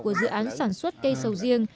của dự án sản xuất cây sầu riêng